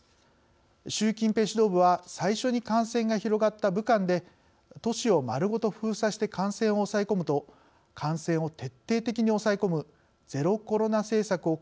習近平指導部は最初に感染が広がった武漢で都市を丸ごと封鎖して感染を抑え込むと感染を徹底的に抑え込むゼロコロナ政策を